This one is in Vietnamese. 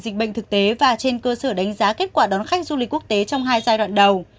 dịch bệnh thực tế và trên cơ sở đánh giá kết quả đón khách du lịch quốc tế trong hai giai đoạn đầu